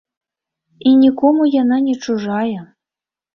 І нікому яна не чужая.